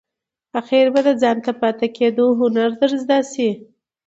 آخیر به د ځانته پاتې کېدو هنر در زده شي !